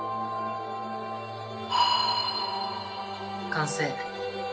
完成。